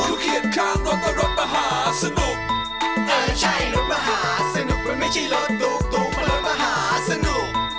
ทุกเหยียดข้างรถและรถมหาสนุกเออใช่รถมหาสนุกมันไม่ใช่รถตุ๊กตุ๊กมันรถมหาสนุก